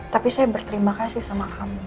tapi saya berterima kasih sama kamu